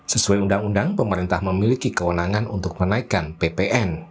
sesuai undang undang pemerintah memiliki kewenangan untuk menaikkan ppn